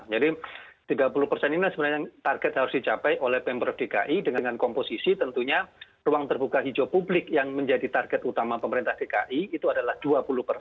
jadi tiga puluh persen ini sebenarnya target harus dicapai oleh pemerintah dki dengan komposisi tentunya ruang terbuka hijau publik yang menjadi target utama pemerintah dki itu adalah dua puluh persen